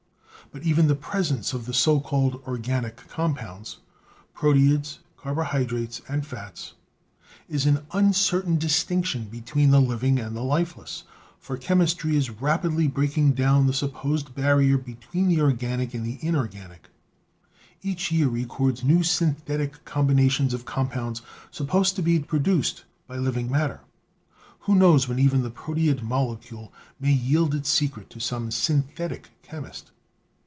But even the presence of the so called organic com THE NATURE OF LIFE 19 pounds — proteids, carbohydrates and fats — is an uncer tain distinction between the living and the lifeless, for chemistry is rapidly breaking down the supposed barrier between the organic and the inorganic. Each year records new synthetic combinations of compounds supposed to be produced by living matter. Who knows when even the proteid molecule may yield its secret to some synthetic chemist?